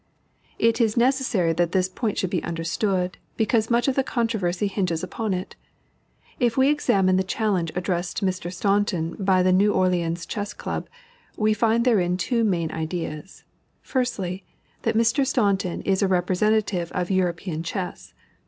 It is necessary that this point should be understood, because much of the controversy hinges upon it. If we examine the challenge addressed to Mr. Staunton by the New Orleans Chess Club, we find therein two main ideas: 1stly. That Mr. Staunton is a representative of European chess.